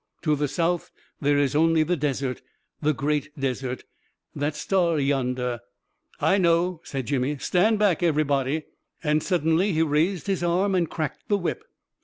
To the south, there is only the desert — the great desert —» that star yonder ..•"" I know," said Jimmy. " Stand back, every body!" And suddenly he raised his arm and cracked the whip.